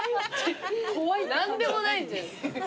何でもないじゃん。